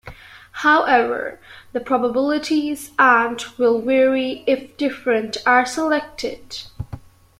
However, the probabilities and will vary if different are selected.